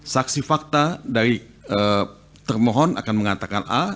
saksi fakta dari termohon akan mengatakan a